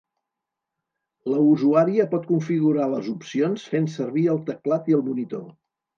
La usuària pot configurar les opcions fent servir el teclat i el monitor.